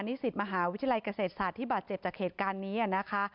นิสิตมหาวิทยาลัยเกษตรศาสตร์ที่บาดเจ็บจากเหตุการณ์นี้นะคะ